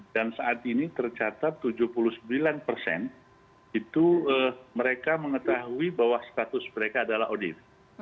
dan saat ini tercatat tujuh puluh sembilan persen itu mereka mengetahui bahwa status mereka adalah odif